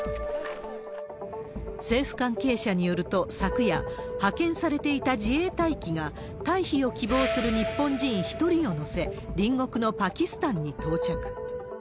政府関係者によると、昨夜、派遣されていた自衛隊機が、退避を希望する日本人１人を乗せ、隣国のパキスタンに到着。